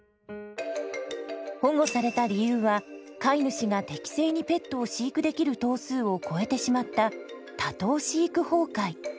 保護された理由は飼い主が適正にペットを飼育できる頭数を超えてしまった多頭飼育崩壊。